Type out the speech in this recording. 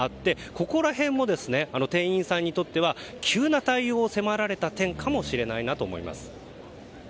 ここら辺も店員さんにとっては急な対応を迫られた点かもしれないなと思います。